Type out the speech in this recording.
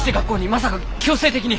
まさか強制的に？